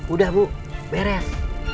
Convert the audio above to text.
udah bu beres